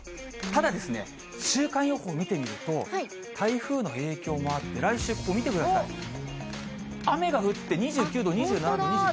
ただですね、週間予報見てみると、台風の影響もあって、来週見てください、雨が降って２９度、２７度、２９、２９。